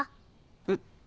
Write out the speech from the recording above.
えっ？